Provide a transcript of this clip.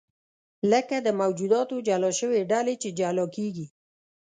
لکه د موجوداتو جلا شوې ډلې چې جلا کېږي.